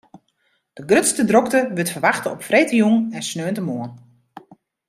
De grutste drokte wurdt ferwachte op freedtejûn en sneontemoarn.